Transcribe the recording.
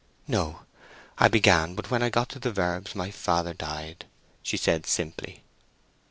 "No; I began, but when I got to the verbs, father died," she said simply.